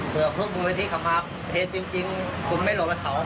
เผื่อควบคุมวิธีของภาพประเทศจริงคุณไม่หลบเขา